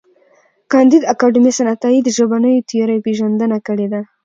کانديد اکاډميسن عطایي د ژبنیو تیورۍ پېژندنه کړې ده.